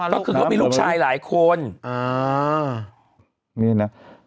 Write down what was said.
ก็คือเขามีลูกชายหลายคน